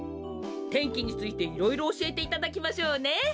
天気についていろいろおしえていただきましょうね。